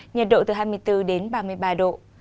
nhiệt độ từ hai mươi bốn đến ba mươi ba độ